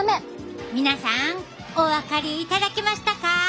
皆さんお分かりいただけましたか？